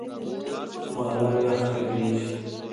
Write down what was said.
بالا یخ ډېریږي.